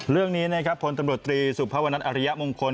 เรื่องนี้ผลตำรวจตรีสุพวนัทอริยมงคล